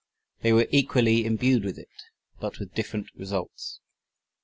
They were equally imbued with it, but with different results.